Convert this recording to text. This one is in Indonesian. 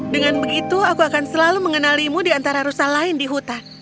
dengan begitu aku akan selalu mengenalimu di antara rusa lain di hutan